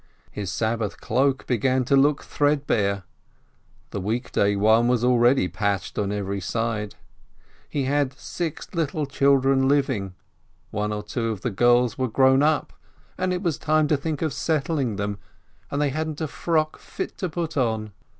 His Sabbath cloak began to look threadbare (the weekday one was already patched on every side), he had six little children living, one or two of the girls were grown up, and it was time to think of settling them, and they hadn't a frock fit to put on.